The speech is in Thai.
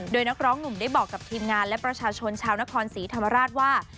โดยนักร้องหนุ่มได้บอกกับทีมงานและประชาชนชาวนครศรีธรรมราชว่า